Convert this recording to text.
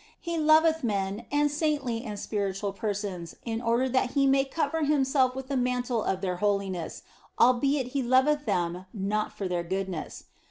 He loveth men, and saintly and spiritual persons in order that he may cover himself with the mantle of their holiness, albeit He loveth them not for their goodness.